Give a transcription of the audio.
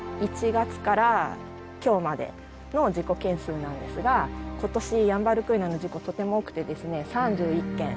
１月から今日までの事故件数なんですが今年ヤンバルクイナの事故とても多くてですね３１件。